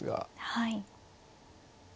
はい。